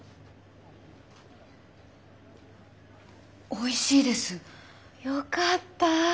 おいしいです。よかった。